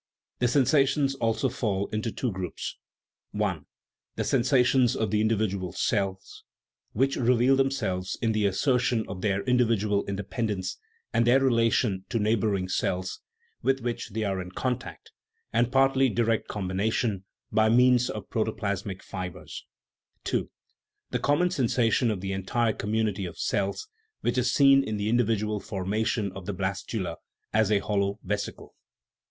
The sensations also fall into two groups : (i) the sensations of the individual cells, which reveal themselves in the assertion of their individual inde pendence and their relation to neighboring cells (with which they are in contact, and partly in direct com bination, by means of protoplasmic fibres) ; (2) the common sensation of the entire community of cells, which is seen in the individual formation of the blastula as a hollow vesicle.